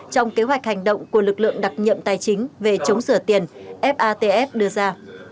trong kế hoạch hành động của lực lượng đặc nhiệm tài chính về chống sửa tiền fatf đưa ra